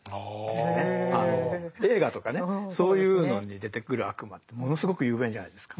映画とかねそういうのに出てくる悪魔ってものすごく雄弁じゃないですか。